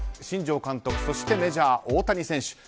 新庄監督そしてメジャー大谷選手。